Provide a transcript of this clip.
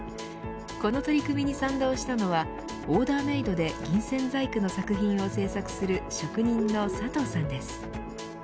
この取り組みに賛同したのはオーダーメードで銀線細工の作品を製作する職人の佐藤さんです。